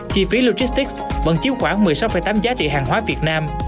chi phí logistics vẫn chiếm khoảng một mươi sáu tám giá trị hàng hóa việt nam